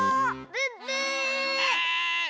ブッブー！